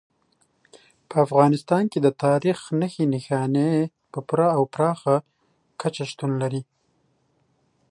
په افغانستان کې د تاریخ نښې نښانې په پوره او پراخه کچه شتون لري.